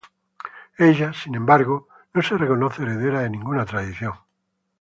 Ella, sin embargo, no se reconoce heredera de ninguna tradición.